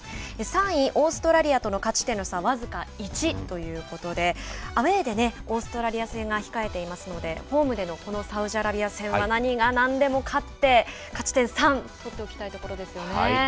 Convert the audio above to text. ３位オーストラリアとの勝ち点の差は僅か１ということでアウェーでオーストラリア戦が控えていますのでホームでのこのサウジアラビア戦は何が何でも勝って勝ち点３を取っておきたいところですよね。